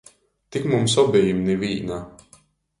Tik mums obejim nivīna.